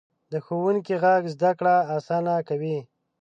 د ښوونکي غږ زده کړه اسانه کوي.